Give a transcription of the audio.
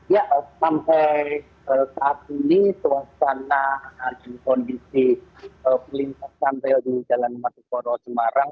ya sampai saat ini suasana dan kondisi pelintas sampai di jalan matukoro semarang